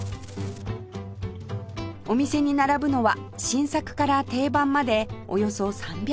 お店に並ぶのは新作から定番までおよそ３００種類